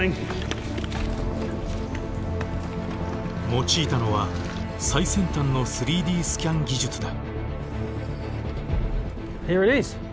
用いたのは最先端の３Ｄスキャン技術だ。